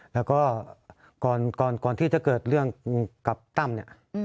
แล้วก็ก่อนที่จะเกิดเรื่องกับตั้มเนี่ย